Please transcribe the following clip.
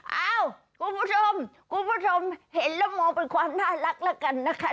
เอ้าคุณผู้ชมคุณผู้ชมเห็นแล้วมองเป็นความน่ารักแล้วกันนะคะ